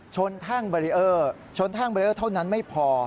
ชนทางเบรียร์เท่านั้นไม่พอ